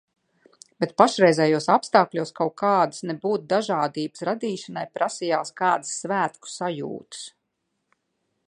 Bet pašreizējos apstākļos kaut kādas nebūt dažādības radīšanai prasījās kādas svētku sajūtas.